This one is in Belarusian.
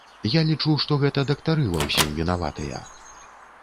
Я лічу, што гэта дактары ва ўсім вінаватыя.